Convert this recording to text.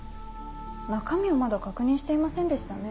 中身をまだ確認していませんでしたね。